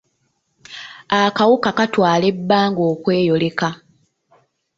Akawuka katwala ebbanga okweyoleka.